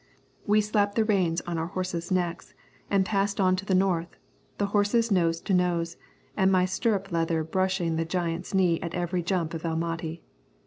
We slapped the reins on our horses' necks and passed on to the north, the horses nose to nose, and my stirrup leather brushing the giant's knee at every jump of El Mahdi.